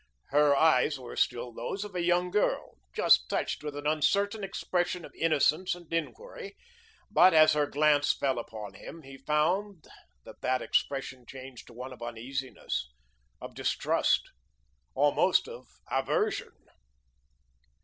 Her eyes were still those of a young girl, just touched with an uncertain expression of innocence and inquiry, but as her glance fell upon him, he found that that expression changed to one of uneasiness, of distrust, almost of aversion.